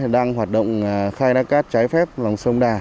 đang hoạt động khai thác cát trái phép lòng sông đà